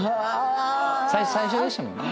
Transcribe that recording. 最初でしたもんね？